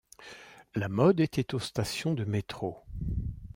La mode était aux stations de métro.